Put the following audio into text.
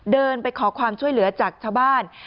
เดินไปขอความช่วยเหลือจากชาวบ้าน